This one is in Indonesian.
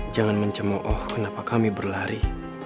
jangan mencemooh kenapa kami berlari